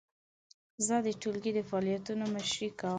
زه د ټولګي د فعالیتونو مشري کوم.